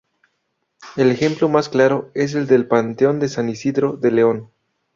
El ejemplo más claro es el del panteón de San Isidoro de León.